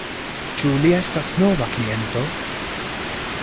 Ĉu li estas nova kliento?